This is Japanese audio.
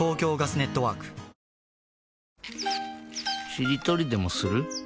しりとりでもする？